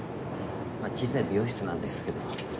まあ小さい美容室なんですけど。